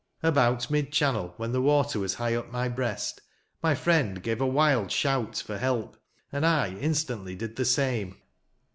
About mid channel, when the water was high up my breast, my friend gave a wild shout for help, and I in stantly did the same.